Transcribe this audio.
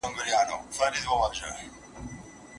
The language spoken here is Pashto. د تیزس کارونه نه ځنډول کېږي.